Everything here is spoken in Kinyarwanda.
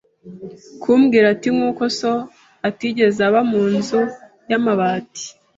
kumbwira ati nkuko so atigeze aba mu nzu y’amabati